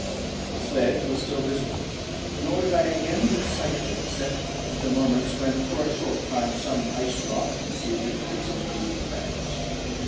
The sledge was still visible; nor did I again lose sight of it, except at the moments when for a short time some ice rock concealed it with its intervening crags.